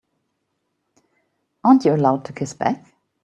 Aren't you allowed to kiss back?